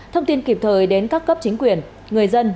thông tin kịp thời đến các cấp chính quyền người dân